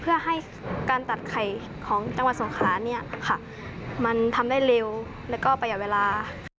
เพื่อให้การตัดไข่ของจังหวัดสงขาเนี่ยค่ะมันทำได้เร็วแล้วก็ประหยัดเวลา